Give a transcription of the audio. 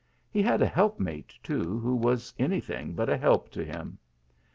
He had a help matt too, who was any thing but a help to him.